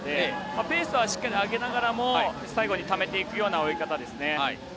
ペースは上げながらも最後にためていくような泳ぎです。